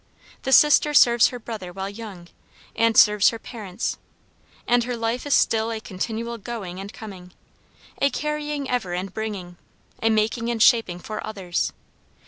The sister serves her brother while young; and serves her parents, And her life is still a continual going and coming, A carrying ever and bringing, a making and shaping for others.